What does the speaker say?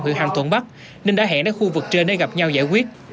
huyện hàm thuận bắc nên đã hẹn đến khu vực trên để gặp nhau giải quyết